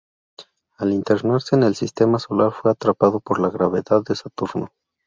Al internarse en el sistema solar fue atrapado por la gravedad de Saturno.